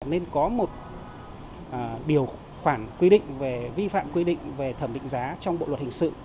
nên có một điều khoản quy định về vi phạm quy định về thẩm định giá trong bộ luật hình sự